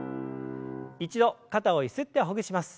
一度肩をゆすってほぐします。